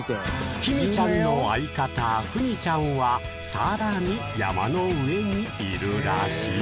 きみちゃんの相方、ふみちゃんはさらに山の上にいるらしい。